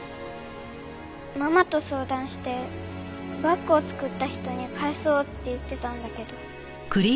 ママと相談してバッグを作った人に返そうって言ってたんだけど。